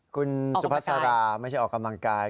คุณสุภาษาราไม่ใช่ออกกำลังกาย